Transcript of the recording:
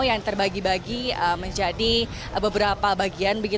yang terbagi bagi menjadi beberapa bagian